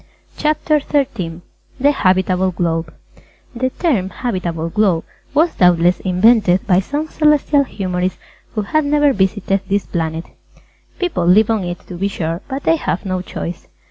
CHAPTER XIII THE HABITABLE GLOBE The term "Habitable Globe" was doubtless invented by some Celestial Humorist who had never visited this planet. People live on it, to be sure, but they have no choice.